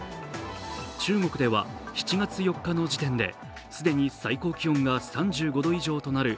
中国では７月４日の時点で既に最高気温が３５度以上となる